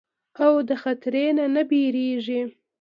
او خطري نه نۀ ويريږي